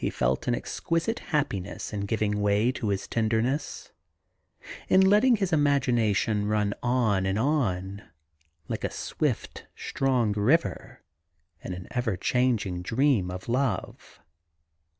He felt an exquisite happiness in giving way to his tender ness, in letting his imagination run on and on, like a swift, strong river, in an ever changing dream of love.